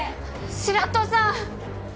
白土さん！